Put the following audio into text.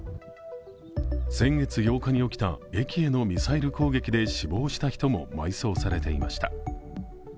先月８日に起きた駅へのミサイル攻撃で死亡した人も埋葬されていました。